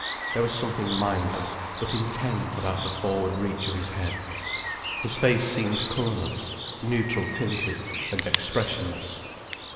There was something mindless but intent about the forward reach of his head. His face seemed colourless, neutral tinted and expressionless.